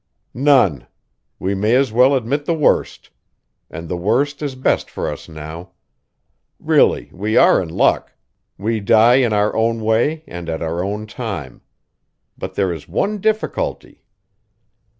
"None. We may as well admit the worst. And the worst is best for us now. Really, we are in luck; we die in our own way and at our own time. But there is one difficulty."